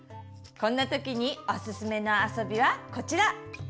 こんな時におすすめのあそびはこちら！